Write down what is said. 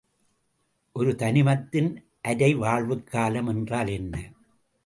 ஒரு தனிமத்தின் அரைவாழ்வுக்காலம் என்றால் என்ன?